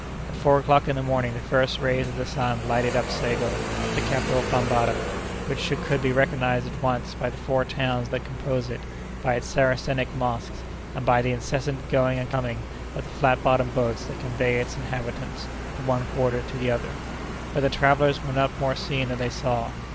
At four o'clock in the morning the first rays of the sun lighted up Ségo, the capital of Bambarra, which could be recognized at once by the four towns that compose it, by its Saracenic mosques, and by the incessant going and coming of the flat bottomed boats that convey its inhabitants from one quarter to the other. But the travellers were not more seen than they saw.